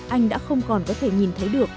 anh đã không còn có thể nhìn thấy được